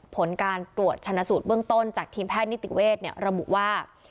ผลการตรวจชนะสูตรเบื้องต้นจากทีมแพทย์นิติเวศระบุว่า